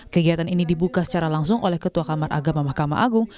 kegiatan ini dibuka secara langsung oleh ketua kamar agama mahkamah agung